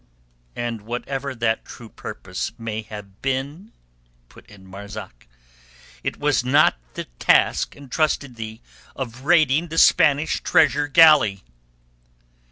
"And whatever that true purpose may have been," put in Marzak, "it was not the task entrusted thee of raiding the Spanish treasure galley."